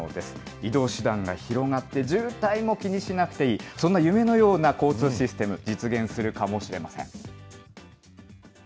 移動手段が広がって渋滞も気にしなくていい、そんな夢のような交通システム、実現するかもしれません。